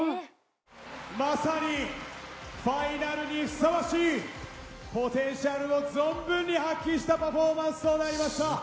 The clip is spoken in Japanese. まさにファイナルにふさわしいポテンシャルを存分に発揮したパフォーマンスとなりました。